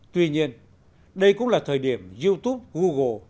tuy nhiên đây cũng là thời điểm youtube google